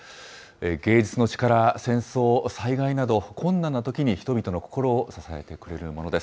芸術の力、戦争、災害など、困難なときに、人々の心を支えてくれるものです。